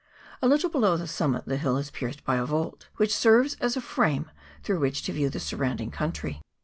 A little below the summit the hill is pierced by a vault, which serves as a frame through which to view the surrounding country.